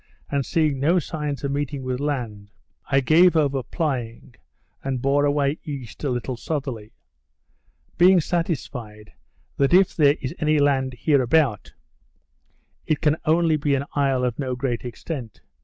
and seeing no signs of meeting with land, I gave over plying, and bore away east a little southerly: Being satisfied, that if there is any land hereabout, it can only be an isle of no great extent.